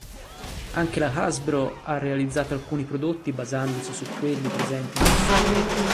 Anche la Hasbro ha realizzato alcuni prodotti basandosi su quelli presenti nel film.